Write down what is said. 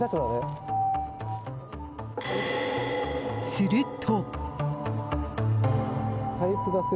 すると。